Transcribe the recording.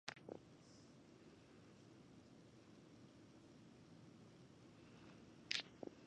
He participated in an armed robbery and served time on Rikers Island.